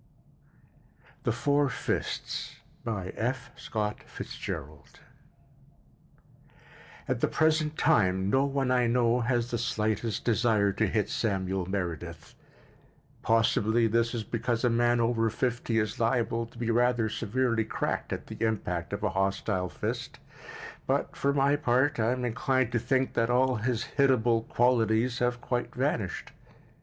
The Four Fists At the present time no one I know has the slightest desire to hit Samuel Meredith; possibly this is because a man over fifty is liable to be rather severely cracked at the impact of a hostile fist, but, for my part, I am inclined to think that all his hitable qualities have quite vanished.